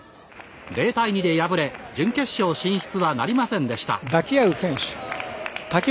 ０対２で敗れ準決勝進出はなりませんでした。